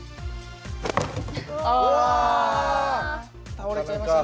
倒れちゃいましたね。